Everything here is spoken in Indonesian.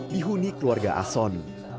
dihuni keluarga ahson